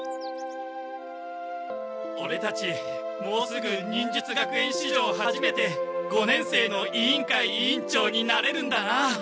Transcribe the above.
オレたちもうすぐ忍術学園しじょうはじめて五年生の委員会委員長になれるんだな。